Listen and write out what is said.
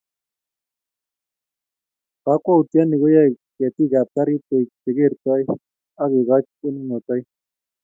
Kokwoutioni koyoei ketikab garit koek che kertoi ak kekoch konunotoi